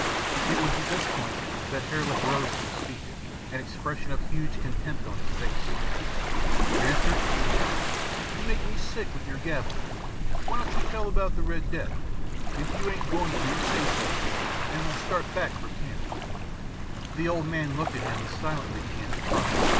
It was at this point that Hare Lip rose to his feet, an expression of huge contempt on his face. [Illustration: Granser, you make me sick with your gabble 071] "Granser," he announced, "you make me sick with your gabble. Why don't you tell about the Red Death? If you ain't going to, say so, an' we'll start back for camp." The old man looked at him and silently began to cry.